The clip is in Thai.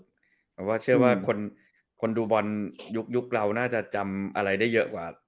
แต่ว่าเชื่อว่าคนดูบอลยุคเราน่าจะจำอะไรได้เยอะกว่า